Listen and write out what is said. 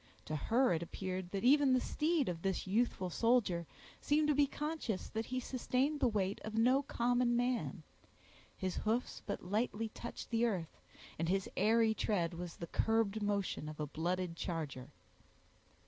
To her it appeared that even the steed of this youthful soldier seemed to be conscious that he sustained the weight of no common man: his hoofs but lightly touched the earth, and his airy tread was the curbed motion of a blooded charger.